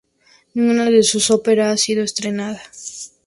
Ninguna de sus ópera ha sido estrenada.